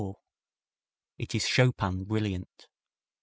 It is Chopin brilliant.